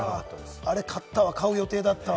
アレ買ったわ、買う予定だったわ。